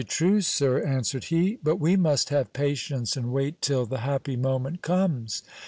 414 GIL BLAS. swered he ; but we must have patience, and wait till the happy moment comes.